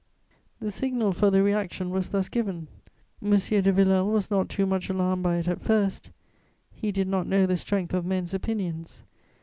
The signal for the reaction was thus given. M. de Villèle was not too much alarmed by it at first; he did not know the strength of men's opinions.